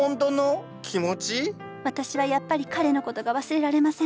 私はやっぱり彼の事が忘れられません。